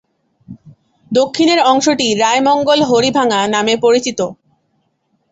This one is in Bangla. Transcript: দক্ষিণের অংশটি 'রায়মঙ্গল-হরিভাঙা' নামে পরিচিত।